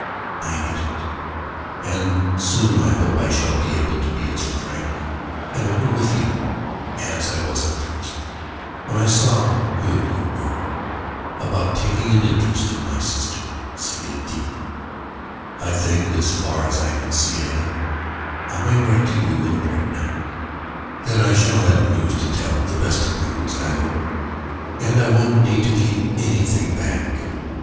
I hate it, and soon I hope I shall be able to be as frank and open with you as I was at first, when I saw how good you were about taking an interest in my sister Saidee. I think, as far as I can see ahead, I may write to you in a fortnight. Then, I shall have news to tell, the best of news, I hope; and I won't need to keep anything back.